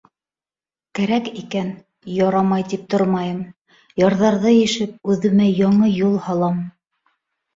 Кәрәк икән, ярамай тип тормайым, ярҙарҙы ишеп, үҙемә яңы юл һалам.